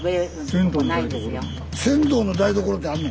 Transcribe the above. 船頭の台所ってあんの？